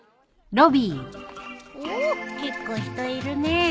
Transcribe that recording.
お結構人いるねえ。